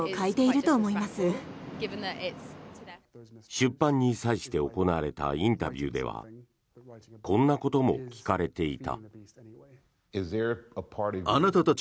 出版に際して行われたインタビューではこんなことも聞かれていた。